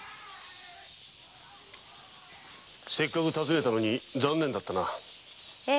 せっかく訪ねたのに残念だったな。